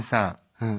うん。